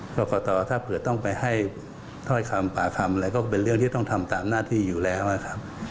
กรกตถ้าเผื่อต้องไปให้ถ้อยคำปากคำอะไรก็เป็นเรื่องที่ต้องทำตามหน้าที่อยู่แล้วนะครับ